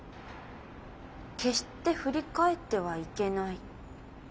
決して振り返ってはいけない！